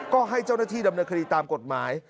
ก็ให้เจ้าหน้าที่ดำเนินคดีตามกฎหมาย